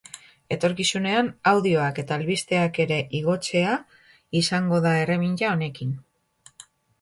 Etorkizunean, audioak eta albisteak ere igotzea izango da erreminta honekin.